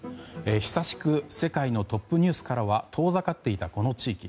久しく世界のトップニュースからは遠ざかっていたこの地域。